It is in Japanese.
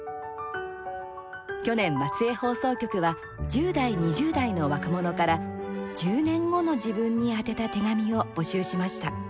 去年、松江放送局は１０代、２０代の若者から１０年後の自分に宛てた手紙を募集しました。